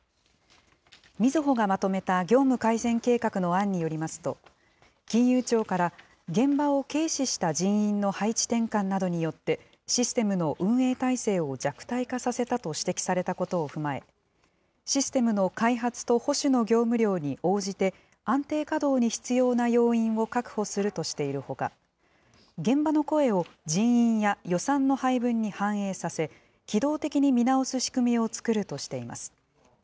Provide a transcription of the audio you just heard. みずほがまとめた業務改善計画の案によりますと、金融庁から現場を軽視した人員の配置転換などによってシステムの運営態勢を弱体化させたと指摘されたことを踏まえ、システムの開発と保守の業務量に応じて、安定稼働に必要な要員を確保するとしているほか、現場の声を人員や予算の配分に反映させ、機動的に見直す仕組みを作るとしています。